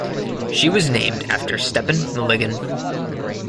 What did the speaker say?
She was named after Stepan Malygin.